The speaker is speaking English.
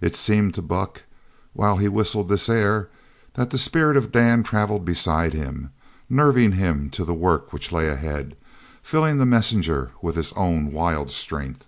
It seemed to Buck, while he whistled this air, that the spirit of Dan travelled beside him, nerving him to the work which lay ahead, filling the messenger with his own wild strength.